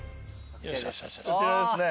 こちらですね。